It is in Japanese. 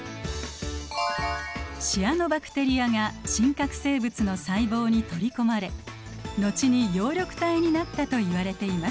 シアノバクテリアが真核生物の細胞に取り込まれ後に葉緑体になったといわれています。